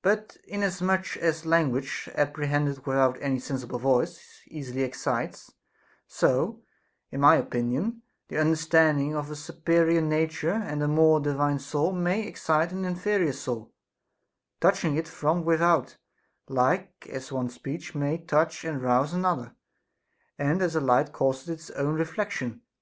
But inasmuch as language, apprehended without any sensible voice, easily excites ; so, in my opinion, the understanding of a supe rior nature and a more divine soul may excite an inferior soul, touching it from without, like as one speech may touch and rouse another, and as light causes its own re flection.